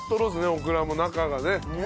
オクラも中がね。